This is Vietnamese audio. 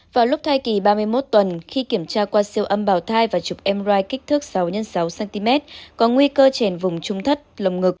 vào lúc thai kỳ ba mươi một tuần khi kiểm tra qua siêu âm bảo thai và chụp mrigh kích thước sáu x sáu cm có nguy cơ chèn vùng trung thất lồng ngực